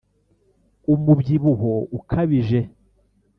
umubyibuho ukabije